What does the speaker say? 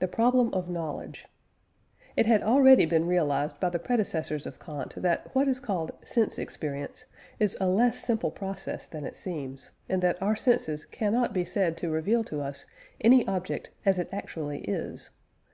THE PROBLEM OF KNOWLEDGE. It had already been realised by the predecessors of Kant that what is called "sense experience" is a less simple process than it seems, and that our senses cannot be said to reveal to us any object as it actually is.